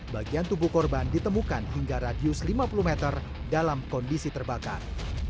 bagian tubuh korban ditemukan hingga radius lima puluh meter dalam kondisi terbakar